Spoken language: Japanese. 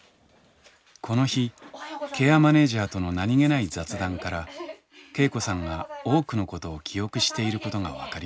この日ケアマネージャーとの何気ない雑談から恵子さんが多くのことを記憶していることが分かりました。